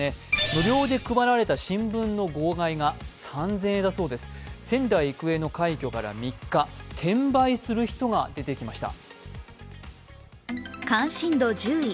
無料で配られた新聞の号外が３０００円だそうです、仙台育英の快挙から３日転売する人が出てきました。